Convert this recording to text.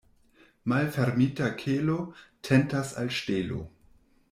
Malfermita kelo tentas al ŝtelo.